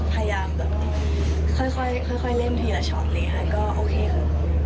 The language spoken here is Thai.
พยายามแบบค่อยเล่นทีละช็อตเลยค่ะก็โอเคค่ะ